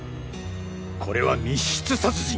これは密室殺人。